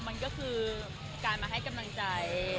มันก็คือการมาให้กำลังใจ